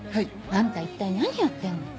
あんた一体何やってんの？